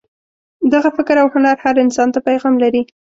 دغه فکر او هنر هر انسان ته پیغام لري.